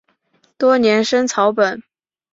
多年生草本。